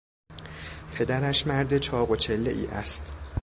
پدرش مرد چاق و چلهای است.